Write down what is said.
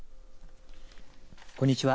こんにちは。